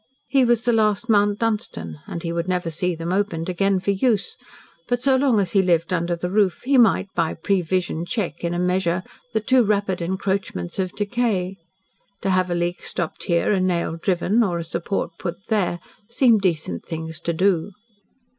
He was the last Mount Dunstan, and he would never see them opened again for use, but so long as he lived under the roof he might by prevision check, in a measure, the too rapid encroachments of decay. To have a leak stopped here, a nail driven or a support put there, seemed decent things to do.